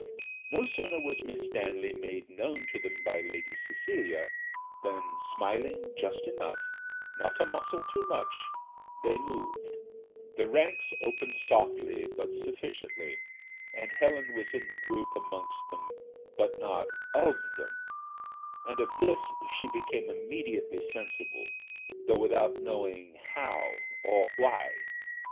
No sooner was Miss Stanley made known to them by Lady Cecilia, than, smiling just enough, not a muscle too much, they moved; the ranks opened softly, but sufficiently, and Helen was in the group; amongst them, but not of them and of this she became immediately sensible, though without knowing how or why.